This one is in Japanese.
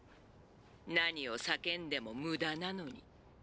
何を叫んでも無駄なのに。